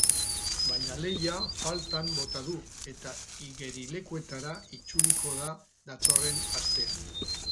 Baina lehia faltan bota du eta igerilekuetara itzuliko da datorren astean.